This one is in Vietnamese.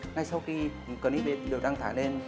ngay sau khi clip ấy được đăng tải lên